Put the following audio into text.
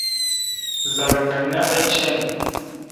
Zal gaŋa eceŋ.